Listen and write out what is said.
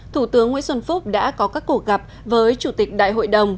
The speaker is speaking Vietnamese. thủ tướng nguyễn xuân phúc đã có các cuộc gặp với chủ tịch đại hội đồng